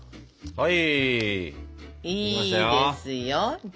はい。